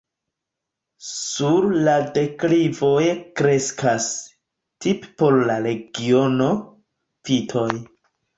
Sur la deklivoj kreskas, tipe por la regiono, vitoj.